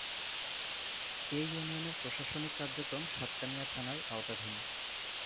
এ ইউনিয়নের প্রশাসনিক কার্যক্রম সাতকানিয়া থানার আওতাধীন।